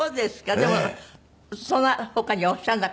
でもそんな他にはおっしゃらなかったの？